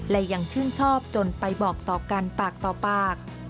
และยังชื่นชอบจนไปบอกต่อกันปากต่อปาก